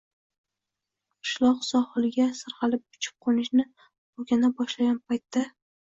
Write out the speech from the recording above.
Qushloq sohilga sirg‘alib uchib qo‘nishni o‘rgana boshlagan paytda